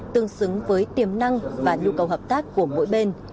tương xứng với tiềm năng và nhu cầu hợp tác của mỗi bên